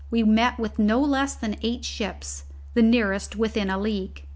we met with no less than eight ships, the nearest within a league.